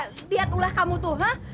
lihat ulah kamu tuh